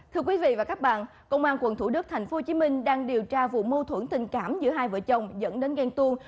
thưa quý vị và các bạn công an quận thủ đức tp hcm đang điều tra vụ mâu thuẫn tình cảm giữa hai vợ chồng dẫn đến ghen tuôn